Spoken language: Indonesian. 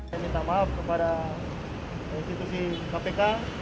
saya minta maaf kepada institusi kpk